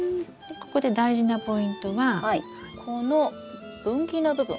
ここで大事なポイントはこの分岐の部分